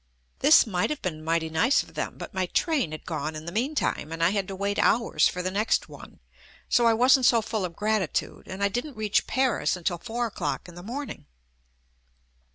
This might have been mighty nice of them, but my train had gone in the meantime, and I had to wait hours for the next one; so I wasn't so full of gratitude and I didn't reach Paris until four o'clock in the morning.